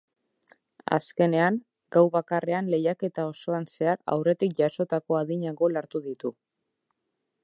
Azkenean, gau bakarrean lehiaketa osoan zehar aurretik jasotako adina gol hartu ditu.